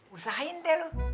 usahain deh lo